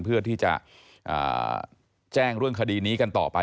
เพื่อที่จะแจ้งเรื่องคดีนี้กันต่อไป